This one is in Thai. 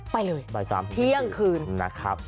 ไปเลยเที่ยงคืน